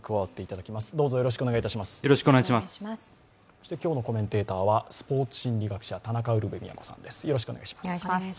そして今日のコメンテーターはスポーツ心理学者、田中ウルヴェ京さんです。